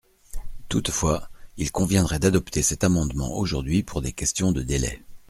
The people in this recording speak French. Toutefois, il conviendrait d’adopter cet amendement aujourd’hui pour des questions de délai.